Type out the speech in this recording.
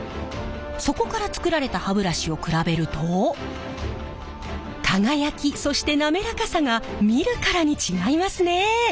そこから作られた歯ブラシを比べると輝きそして滑らかさが見るからに違いますね。